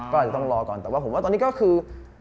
ก็อาจจะต้องรอก่อนแต่ว่าผมว่าตอนนี้ก็คือ